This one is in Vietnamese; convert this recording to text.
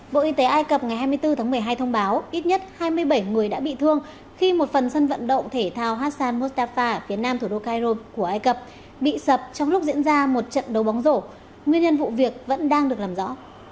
bộ y tế ai cập ngày hai mươi bốn tháng một mươi hai thông báo ít nhất hai mươi bảy người đã bị thương khi một phần sân vận động thể thao hassan motafa ở phía nam thủ đô cairo của ai cập bị sập trong lúc diễn ra một trận đấu bóng rổ nguyên nhân vụ việc vẫn đang được làm rõ